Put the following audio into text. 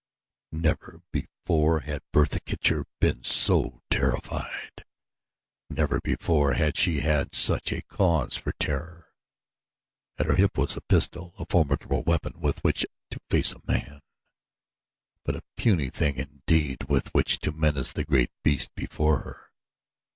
Never before had Bertha Kircher been so terrified never before had she had such cause for terror. At her hip was a pistol a formidable weapon with which to face a man; but a puny thing indeed with which to menace the great beast before her.